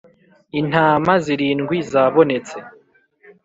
Intama zirindwi zabonetse.